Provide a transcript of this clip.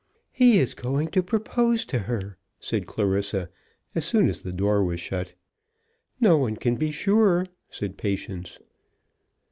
"He is going to propose to her," said Clarissa as soon as the door was shut. "No one can be sure," said Patience.